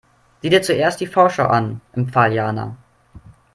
Sieh dir zuerst die Vorschau an, empfahl Jana.